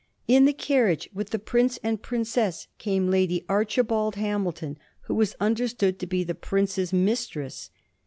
In the carriage with the prince and princess came Lady Archibald Hamilton, who was understood to be the prince's mistress.